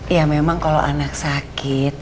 ya memang kalau anak sakit